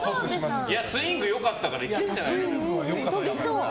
スイング良かったからいけるんじゃないかな。